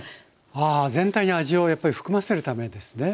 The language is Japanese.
あ全体に味をやっぱり含ませるためですね。